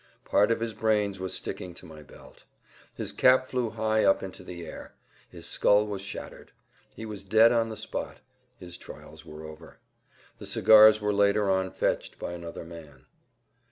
Part of his brains was sticking to my belt. His cap flew high up into the air. His skull was shattered. He was dead on the spot. His trials were over. The cigars were later on fetched by another man.